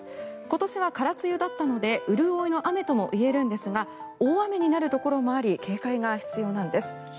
今年は空梅雨だったので潤いの雨ともいえるんですが大雨になるところもあり警戒が必要なんです。